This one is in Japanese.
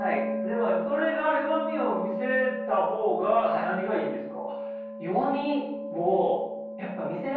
それが弱みを見せた方が何がいいんですか？